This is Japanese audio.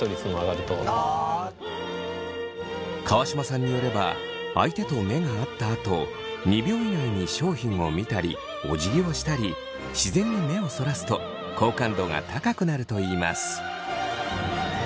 川島さんによれば相手と目が合ったあと２秒以内に商品を見たりおじぎをしたり自然に目をそらすと好感度が高くなるといいます。